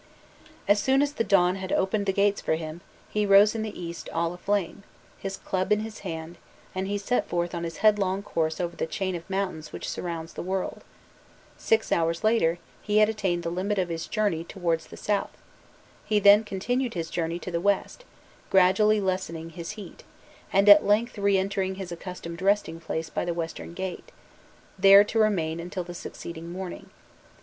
As soon as the dawn had opened the gates for him, he rose in the east all aflame, his club in his hand, and he set forth on his headlong course over the chain of mountains which surrounds the world;* six hours later he had attained the limit of his journey towards the south, he then continued his journey to the west, gradually lessening his heat, and at length re entered his accustomed resting place by the western gate, there to remain until the succeeding morning.